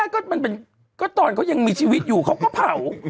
ไม่ได้ก็ตอนเขายังมีชีวิตอยู่เขาก็เผ่า